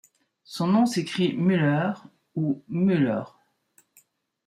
Son nom s'écrit Muller ou Müller.